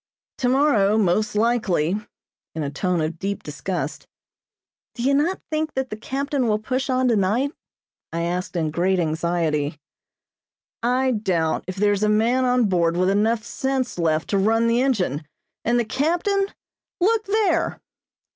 "Tomorrow, most likely," in a tone of deep disgust. "Do you not think that the captain will push on tonight?" I asked in great anxiety. "I doubt if there is a man on board with enough sense left to run the engine, and the captain look there!"